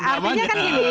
artinya kan gini